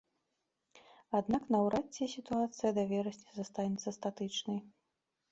Аднак наўрад ці сітуацыя да верасня застанецца статычнай.